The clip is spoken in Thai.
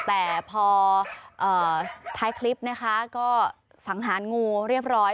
แต่พอท้ายคลิปนะคะก็สังหารงูเรียบร้อย